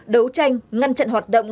đấu tranh ngăn chặn hoạt động